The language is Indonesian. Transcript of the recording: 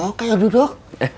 oh kayak duduk